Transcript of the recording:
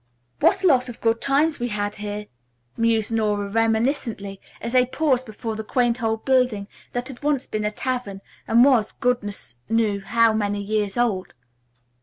"What a lot of good times we have had here," mused Nora reminiscently, as they paused before the quaint old building, that had once been a tavern, and was, goodness knew, how many years old.